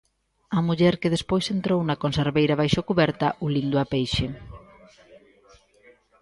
A muller que despois entrou na conserveira baixo cuberta, ulindo a peixe.